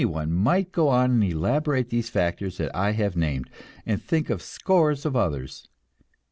Anyone might go on and elaborate these factors that I have named, and think of scores of others.